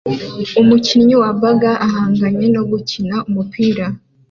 Umukinnyi wa Baga ahanganye no gukina umupira